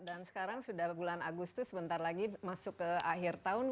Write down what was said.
dan sekarang sudah bulan agustus sebentar lagi masuk ke akhir tahun